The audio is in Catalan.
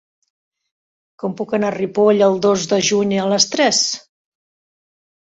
Com puc anar a Ripoll el dos de juny a les tres?